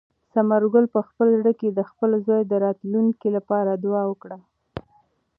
ثمر ګل په خپل زړه کې د خپل زوی د راتلونکي لپاره دعا وکړه.